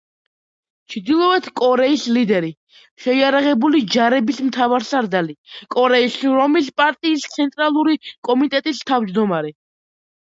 ჩრდილოეთ კორეის ლიდერი, შეიარაღებული ჯარების მთავარსარდალი, კორეის შრომის პარტიის ცენტრალური კომიტეტის თავმჯდომარე.